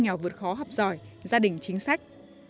nghèo vượt khó học giỏi gia đình chính sách